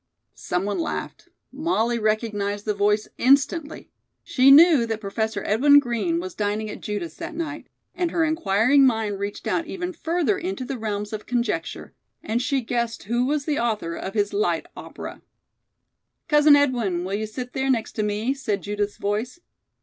Some one laughed. Molly recognized the voice instantly. She knew that Professor Edwin Green was dining at Judith's that night, and her inquiring mind reached out even further into the realms of conjecture, and she guessed who was the author of his light opera. "Cousin Edwin, will you sit there, next to me?" said Judith's voice.